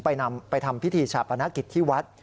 ไปนำไปทำพิธีฉปนักกิจที่วัด